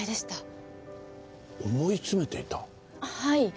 はい。